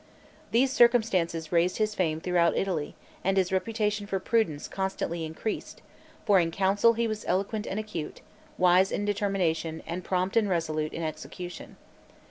These circumstances raised his fame throughout Italy, and his reputation for prudence constantly increased; for in council he was eloquent and acute, wise in determination, and prompt and resolute in execution.